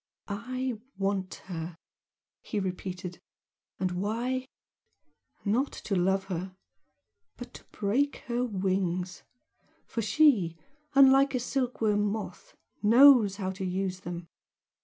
"I want her!" he repeated "And why? Not to 'love' her, but to break her wings, for she, unlike a silkworm moth, knows how to use them!